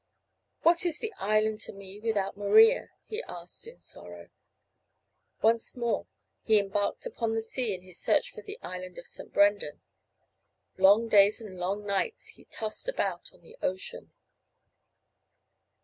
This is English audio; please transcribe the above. "What is the island to me without Maria?" he asked in sorrow. Once more he embarked upon the sea in his search for the island of St. Brendan. Long days and long nights he tossed about on the ocean.